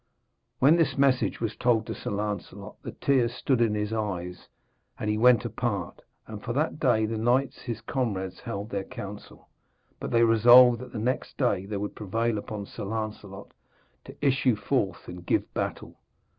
When this message was told to Sir Lancelot, the tears stood in his eyes and he went apart, and for that day the knights his comrades held their counsel. But they resolved that next day they would prevail upon Sir Lancelot to issue forth and give battle.